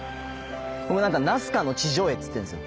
僕はなんかナスカの地上絵って言ってるんですよ。